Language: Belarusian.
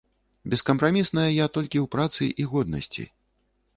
Бескапрамісная я толькі ў працы і годнасці.